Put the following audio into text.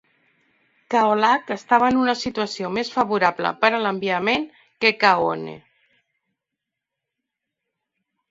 Kaolack estava en una situació més favorable per a l'enviament que Kahone.